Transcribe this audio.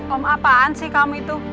om apaan sih kamu itu